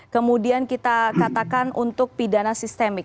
kemudian kita katakan untuk pidana sistemik